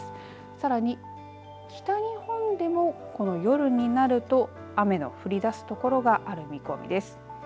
さらに北日本でもこの夜になると雨の降りだすところがある見込みです。